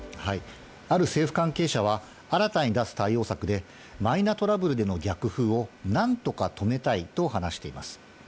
ある政府関係者は、新たに出す対応策で、マイナトラブルでの逆風をなんとか止めたいと話しています。